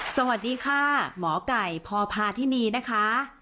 สวัสดีค่ะหมอไก่พพาธินีนะคะ